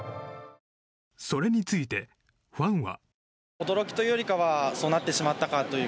それについて、ファンは。